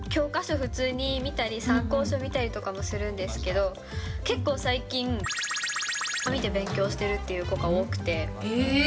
普通に見たり、参考書見たりとかもするんですけど、結構、最近、×××見て勉強してるっていう子が多くて。